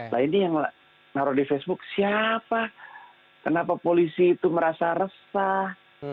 nah ini yang naruh di facebook siapa kenapa polisi itu merasa resah